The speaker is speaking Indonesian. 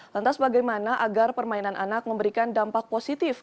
lantas bagaimana agar permainan anak memberikan dampak positif